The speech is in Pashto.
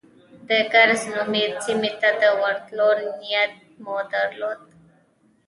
د کرز نومي سیمې ته د ورتلو نیت مو درلود.